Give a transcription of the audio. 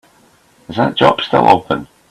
Is that job still open?